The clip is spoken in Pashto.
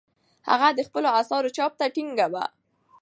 هغې د خپلو اثارو چاپ ته ټینګه وه.